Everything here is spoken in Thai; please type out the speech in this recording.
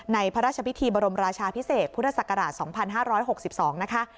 พระราชพิธีบรมราชาพิเศษพุทธศักราช๒๕๖๒นะคะ